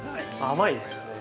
甘いですね。